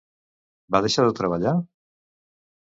Va deixar de treballar?